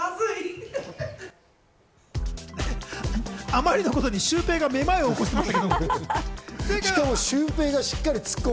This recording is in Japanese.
あまりのことにシュウペイが、めまいを起こしました。